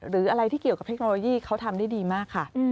หรืออะไรที่เกี่ยวกับเทคโนโลยีเขาทำได้ดีมากค่ะ